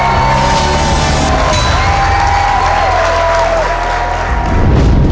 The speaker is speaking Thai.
๑ล้านบาท